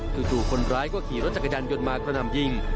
ถึงดูคนร้ายก็ขี่รถจักรยันยนต์ยนต์มากระนำยิง